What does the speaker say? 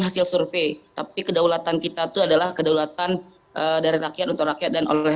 hasil survei tapi kedaulatan kita tuh adalah kedaulatan dari rakyat untuk rakyat dan oleh